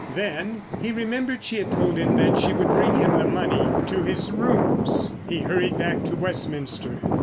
Then he remembered she had told him that she would bring him the money to his rooms. He hurried back to Westminster.